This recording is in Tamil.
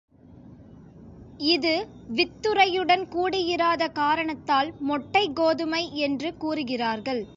இது வித்துறையுடன் கூடியிராத காரணத்தால் மொட்டைக் கோதுமை என்று கூறுகிறார்கள்.